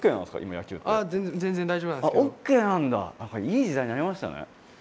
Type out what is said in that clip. いい時代になりましたね。